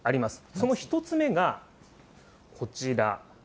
その１つ目がこちら。